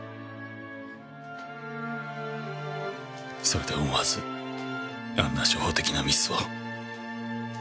それで思わずあんな初歩的なミスを。